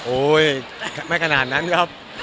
โอ๊ยไม่ขนาดนั้นครับ